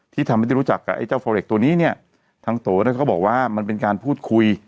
ที่ทำให้ได้รู้จักกับไอ้เจ้าโฟเล็กตัวนี้เนี่ยทางโตเนี่ยเขาบอกว่ามันเป็นการพูดคุย